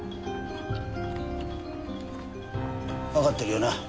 わかっているよな？